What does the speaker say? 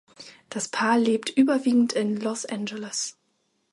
Das Paar lebt überwiegend in Los Angeles.